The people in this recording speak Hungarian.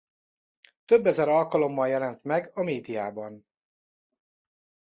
Több ezer alkalommal jelent meg a médiában.